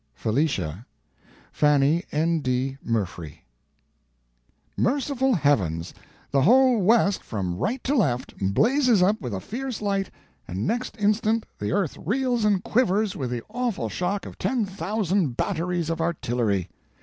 —"Felicia."—"Fanny N. D. Murfree". Merciful heavens! The whole west, from right to left, blazes up with a fierce light, and next instant the earth reels and quivers with the awful shock of ten thousand batteries of artillery.